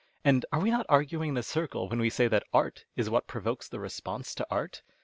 And are we not arguing in a circle when we say that art is what provokes the response to art ?